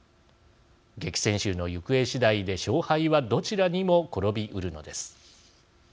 激戦州の行方次第で勝敗はどちらにも転びうるのです。